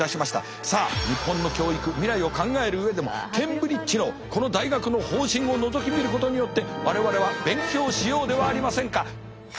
さあ日本の教育未来を考える上でもケンブリッジのこの大学の方針をのぞき見ることによって我々は勉強しようではありませんか。